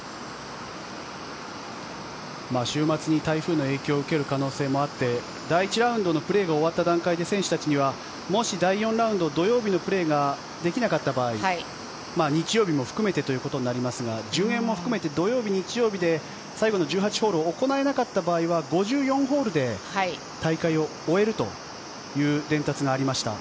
週末に台風の影響を受ける可能性もあって第１ラウンドのプレーが終わった段階で選手たちにはもし第４ラウンド土曜日のプレーができなかった場合日曜日も含めてということになりますが順延も含めて土曜日、日曜日で最後の１８ホールを行えなかった場合は４５ホールで大会を終えるという伝達がありました。